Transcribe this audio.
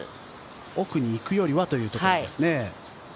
奥に行くよりはというところですね。